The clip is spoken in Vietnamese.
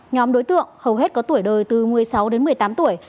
nhóm đối tượng hầu hết có tuổi đời từ một mươi sáu đến một mươi tám tuổi